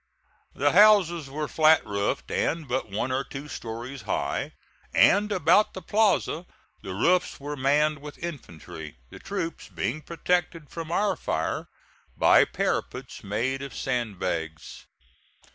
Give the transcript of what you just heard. The houses were flat roofed and but one or two stories high, and about the plaza the roofs were manned with infantry, the troops being protected from our fire by parapets made of sand bags.